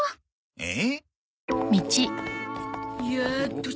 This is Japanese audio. えっ？